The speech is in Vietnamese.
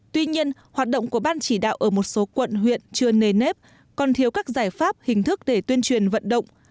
tuy nhiên hoạt động của ban chỉ đạo ở một số quận huyện chưa nề nếp còn thiếu các giải pháp hình thức để tuyên truyền vận động